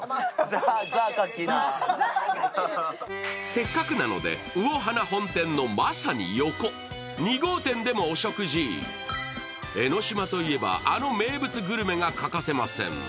せっかくなので、魚華本店のまさに横、２号店でもお食事、江の島といえばあの名物グルメが欠かせません。